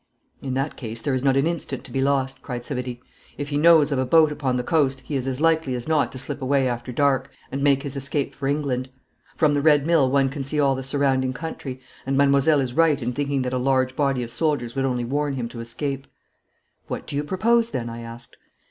'In that case there is not an instant to be lost,' cried Savary. 'If he knows of a boat upon the coast he is as likely as not to slip away after dark and make his escape for England. From the Red Mill one can see all the surrounding country, and Mademoiselle is right in thinking that a large body of soldiers would only warn him to escape.' 'What do you propose then?' I asked.